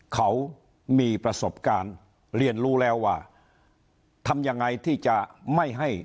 เขามีประสบการณ์เรียนรู้แล้วว่าทำยังไงที่จะไม่ให้